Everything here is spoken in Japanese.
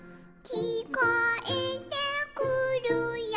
「きこえてくるよ」